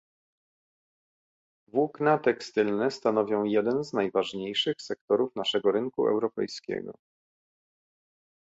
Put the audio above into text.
Włókna tekstylne stanowią jeden z najważniejszych sektorów naszego rynku europejskiego